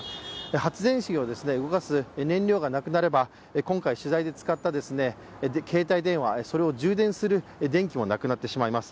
発電機を動かす燃料がなくなれば、今回取材で使った携帯電話、それを充電する電気もなくなってしまいます。